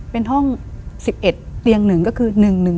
เป็นห้อง๑๑เตียง๑ก็คือ๑๑๒